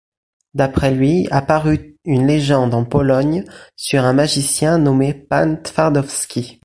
D'après lui a paru une légende en Pologne sur un magicien nommé Pan Twardowski.